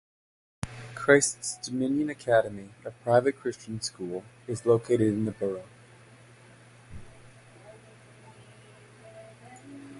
Christ's Dominion Academy, a private Christian school, is located in the borough.